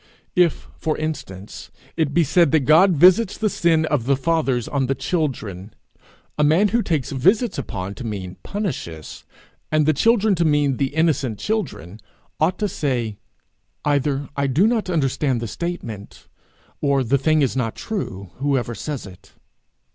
If, for instance, it be said that God visits the sins of the fathers on the children, a man who takes visits upon to mean punishes, and the children to mean the innocent children, ought to say, 'Either I do not understand the statement, or the thing is not true, whoever says it.'